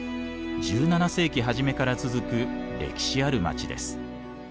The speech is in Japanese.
１７世紀初めから続く歴史ある町です。